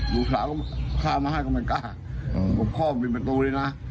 ลูกสาวข้าวมาให้ก็ไม่กล้าพ่อมีประตูดีนะ